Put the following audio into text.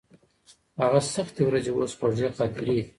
هغه سختې ورځې اوس خوږې خاطرې دي.